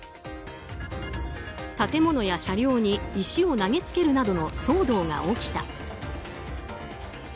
建物や車両に、石を投げつけるなどの騒動が起きた。